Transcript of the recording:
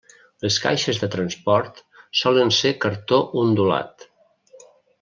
Les caixes de transport solen ser Cartó ondulat.